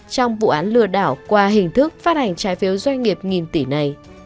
trong vụ án lừa đảo qua hình thức phát hành trái phiếu doanh nghiệp nghìn tỷ này